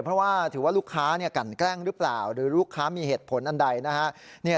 เพราะว่าถือว่าลูกค้ากันแกล้งหรือเปล่าหรือลูกค้ามีเหตุผลอันใดนะฮะ